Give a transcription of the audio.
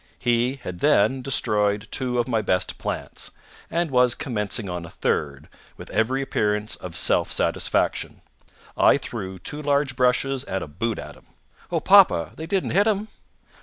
He had then destroyed two of my best plants, and was commencing on a third, with every appearance of self satisfaction. I threw two large brushes and a boot at him." "Oh, papa! They didn't hit him?"